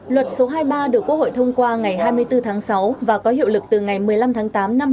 luật số hai mươi ba được quốc hội thông qua ngày hai mươi bốn tháng sáu và có hiệu lực từ ngày một mươi năm tháng tám năm hai nghìn hai mươi